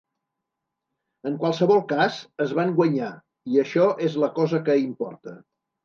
En qualsevol cas, es van guanyar i això és la cosa que importa.